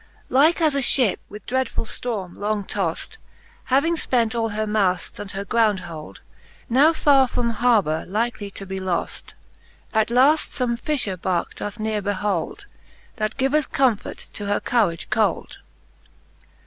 IKE as a fhlp with dreadfull ftorme long toft, Having fpent all her maftes and her ground hold^ Now farre from harbour likely to be loft. At laft ibmc fifher barke doth neare behold, That giyeth comfort to her courage cold.